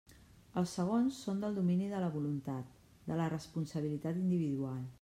Els segons són del domini de la voluntat, de la responsabilitat individual.